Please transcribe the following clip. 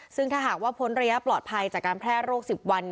ซึ่งถ้าหากว่าพ้นระยะปลอดภัยจากการแพร่โรค๑๐วัน